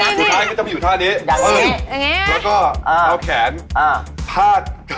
แล้วเราก็นึกว่ามีรถแหมกแสนแเปรก